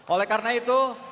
oleh karena itu